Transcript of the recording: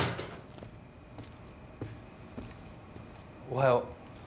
おはよう。